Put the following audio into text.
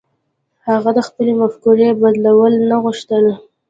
هغه د خپلې مفکورې بدلول نه غوښتل.